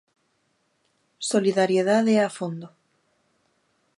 Solidariedade a fondo.